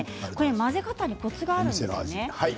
混ぜ方にコツがあるんですね。